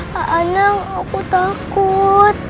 pak anang aku takut